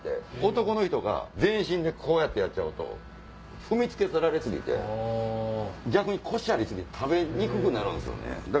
男の人が全身でやっちゃうと踏みつけられ過ぎて逆にコシあり過ぎて食べにくくなるんすよね。